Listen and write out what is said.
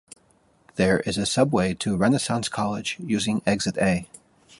There is a subway to Renaissance College using Exit A.